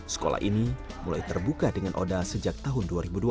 sekolah ini mulai terbuka dengan oda sejak tahun dua ribu dua belas